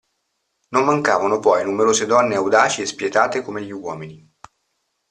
Non mancavano poi numerose donne audaci e spietate come gli uomini.